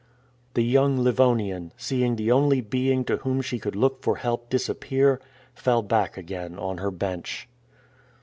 The young Livonian, seeing the only being to whom she could look for help disappear, fell back again on her bench.